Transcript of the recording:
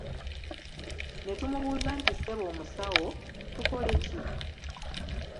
Ne tumubuuza nti Ssebo omusawo, tukole ki?